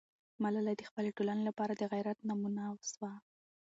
ملالۍ د خپلې ټولنې لپاره د غیرت نمونه سوه.